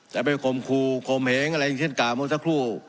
แต่ไปข่มครูคมเหงอะไรอย่างเช่นกล่าวเมื่อสักครู่